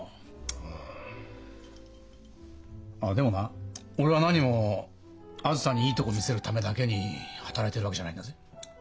あっでもな俺はなにもあづさにいいとこ見せるためだけに働いてるわけじゃないんだぜ。